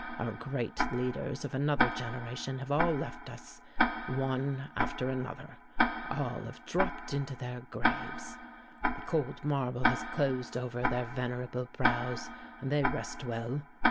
Our great leaders of another generation have all left us, one after another all have dropped into their graves. The cold marble has closed over their venerable brows, and they rest well.